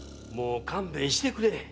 もう勘弁してくれ。